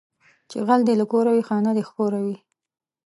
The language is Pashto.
چې غل دې له کوره وي، خانه دې خپوره وي